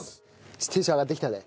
テンション上がってきたね。